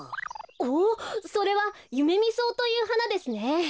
おっそれはユメミソウというはなですね。